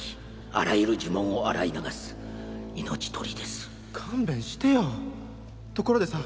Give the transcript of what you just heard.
あらゆる呪文を洗い流す命取りです勘弁してよところでさ